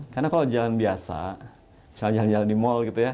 karena kalau jalan biasa misalnya jalan jalan di mall gitu ya